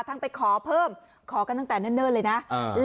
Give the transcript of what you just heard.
ทั้งไปขอเพิ่มขอกันตั้งแต่เนิ่นเนิ่นเลยนะเออ